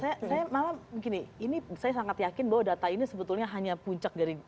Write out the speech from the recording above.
saya malah begini ini saya sangat yakin bahwa data ini sebetulnya hanya percaya dengan perempuan yang berada di luar sana